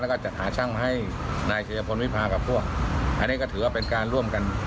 แล้วก็จัดหาช่างให้นายชัยพลวิพากับพวกอันนี้ก็ถือว่าเป็นการร่วมกัน